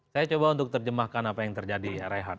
saya coba untuk terjemahkan apa yang terjadi rehat